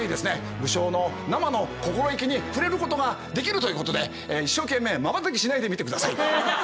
武将の生の心意気に触れることができるということで一生懸命まばたきしないで見てください。